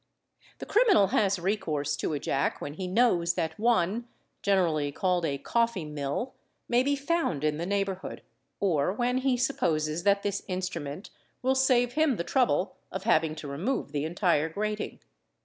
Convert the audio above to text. The criminal has recourse to a jack when he knows that one (generally called a "coffee mill'') may be found in the neighbourhood, or when he supposes that this instrument will save him the trouble of having to remove the entire grating.